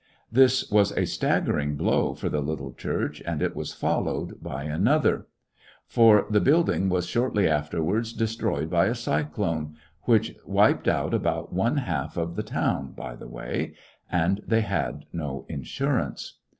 This was a staggering blow for the little church, and it was followed by another j for the building was shortly afterwards destroyed by a cyclone,— which wiped out about one half 132 '^isBionary in i^e Great West of the towiij by the way j— and they had no in surance.